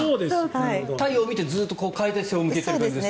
太陽をずっと見て背を向けてる感じですか。